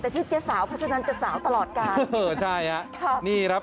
แต่ชื่อเจ๊สาวเพราะฉะนั้นจะสาวตลอดการเออใช่ฮะค่ะนี่ครับ